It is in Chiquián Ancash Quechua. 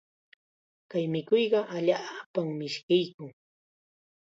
Kay mikuyqa allaapam mishkiykun.